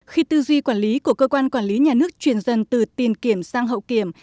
khi tư duy quản lý của cơ quan quản lý nhà nước chuyển dần từ tiền kiểm sang hậu kiểm